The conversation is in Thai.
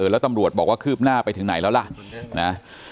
แล้วตำรวจบอกว่าคืบหน้าไปถึงไหนแล้วล่ะนะ